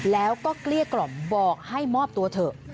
แล้วก็เกลี้ยกล่อมบอกให้มอบตัวเถอะ